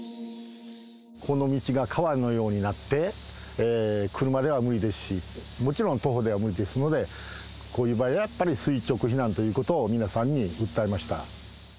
この道が川のようになって、車では無理ですし、もちろん徒歩では無理ですので、こういう場合はやっぱり垂直避難ということを皆さんに訴えました。